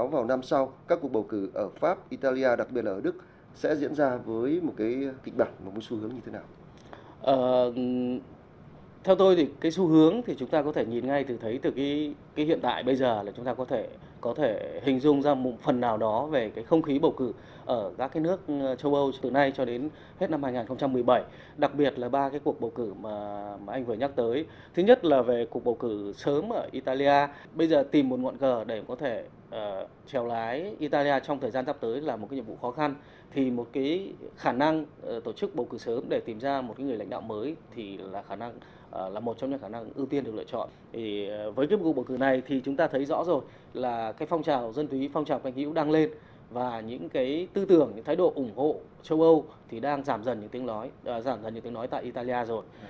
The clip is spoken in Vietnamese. với cuộc bầu cử này thì chúng ta thấy rõ rồi là phong trào dân tùy phong trào canh hữu đang lên và những tư tưởng thái độ ủng hộ châu âu đang giảm dần những tiếng nói tại italia rồi